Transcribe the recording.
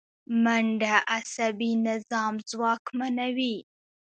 منډه عصبي نظام ځواکمنوي